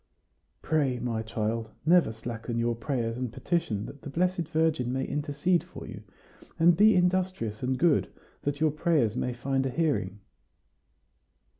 "Pray, my child. Never slacken your prayers and petitions that the Blessed Virgin may intercede for you; and be industrious and good, that your prayers may find a hearing."